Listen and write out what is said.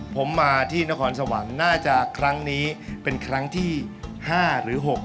ผมมาที่นครสวรรค์น่าจะครั้งนี้เป็นครั้งที่๕หรือ๖